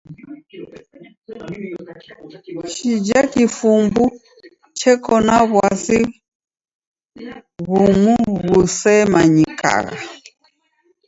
Chija kifumbu cheko na w'asi ghumu ghusemanyikagha.